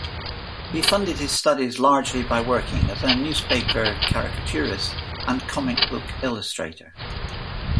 He funded his studies largely by working as a newspaper caricaturist and comic-book illustrator.